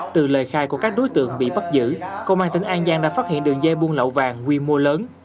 từ lời khai của các đối tượng bị bắt giữ công an tỉnh an giang đã phát hiện đường dây buôn lậu vàng quy mô lớn